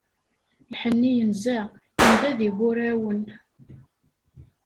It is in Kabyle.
Lḥenni yenza, yedda deg wurawen.